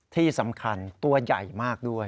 ที่สำคัญตัวใหญ่มากด้วย